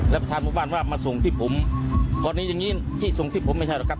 และประธานหมู่บ้านว่ามาส่งที่ผมกรณีอย่างงี้ที่ส่งที่ผมไม่ใช่หรอกครับ